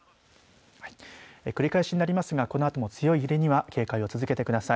繰り返しになりますがこのあとも強い揺れには警戒を続けてください。